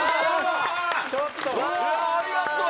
ありがとう。